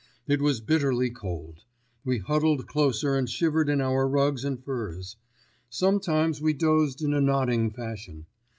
It was bitterly cold. We huddled closer and shivered in our rugs and furs. Sometimes we dozed in a nodding fashion.